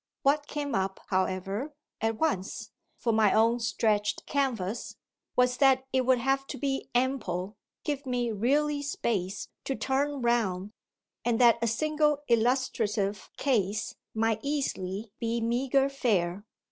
What came up, however, at once, for my own stretched canvas, was that it would have to be ample, give me really space to turn round, and that a single illustrative case might easily be meagre fare.